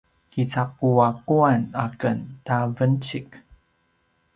kicaquaquan aken ta vencik